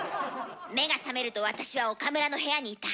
目が覚めると私は岡村の部屋にいた。